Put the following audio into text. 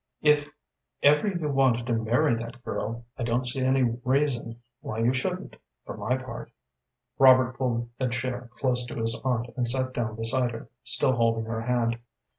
"If ever you wanted to marry that girl, I don't see any reason why you shouldn't, for my part." Robert pulled a chair close to his aunt, and sat down beside her, still holding her hand.